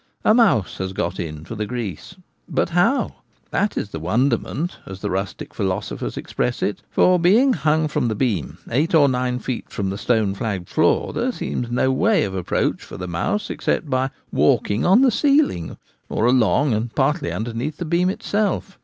A mouse has got in — for the grease ; but how ? that is the ' wonderment/ as the rustic philosophers express it ; for, being hung from the beam, eight or nine feet from the stone flagged floor, there seems no way of approach for the mouse except by ' walking ' on the ceiling or along and partly underneath the beam it self.